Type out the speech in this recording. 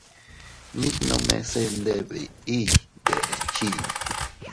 Mit nomnese iyndebiʼiy deʼes chii.